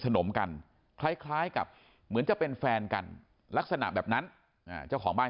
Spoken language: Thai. นมกันคล้ายกับเหมือนจะเป็นแฟนกันลักษณะแบบนั้นเจ้าของบ้าน